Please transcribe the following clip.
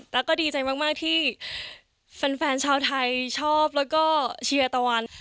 แล้วก็ดีใจมากที่แฟนชาวไทยชอบแล้วก็เชียร์ตะวัน